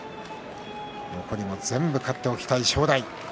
残りも全部勝っておきたい正代。